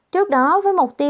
trước đó với một số doanh nghiệp